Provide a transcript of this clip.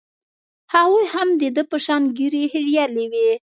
هغوى هم د ده په شان ږيرې خرييلې وې.